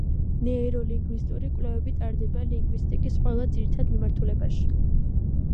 ნეიროლინგვისტური კვლევები ტარდება ლინგვისტიკის ყველა ძირითად მიმართულებაში.